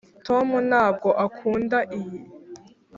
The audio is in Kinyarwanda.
tom ntabwo akunda iyi.